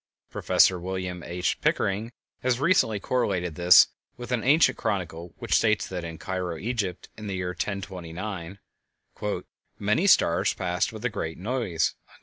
Prof. William H. Pickering has recently correlated this with an ancient chronicle which states that at Cairo, Egypt, in the year 1029, "many stars passed with a great noise."